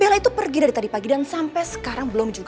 bella itu pergi dari tadi pagi dan sampai sekarang belum juga